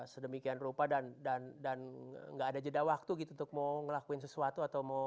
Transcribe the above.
sedemikian rupa dan nggak ada jeda waktu gitu untuk mau ngelakuin sesuatu atau mau